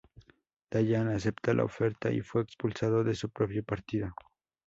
Dayan aceptó la oferta y fue expulsado de su propio partido.